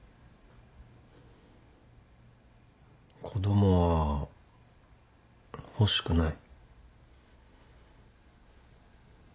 子供は欲しくない。